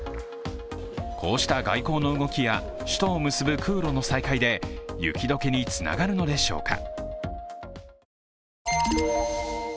こうした外交の動きや首都を結ぶ空路の再開で、雪解けにつながるのでしょうか。